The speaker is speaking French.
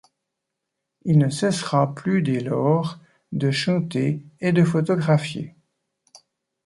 Il ne cessera plus dès lors de chanter et de photographier.